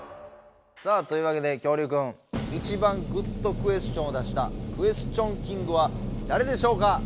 さあというわけで恐竜くんいちばんグッドクエスチョンを出したクエスチョンキングはだれでしょうか？